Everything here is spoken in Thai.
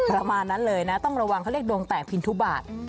ประมาณนั้นเลยนะต้องระวังเขาเรียกดวงแตกพินทุบาท